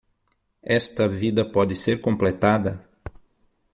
Esta vida pode ser completada?